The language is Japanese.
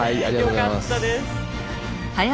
よかったです。